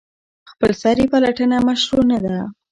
خپلسري پلټنه مشروع نه ده.